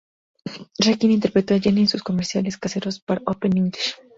Rankin interpretó a "Jenny" en sus comerciales caseros para Open English.